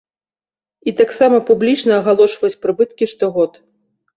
І таксама публічна агалошваюць прыбыткі штогод!